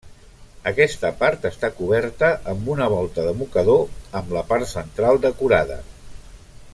Aquesta part està coberta amb una volta de mocador, amb la part central decorada.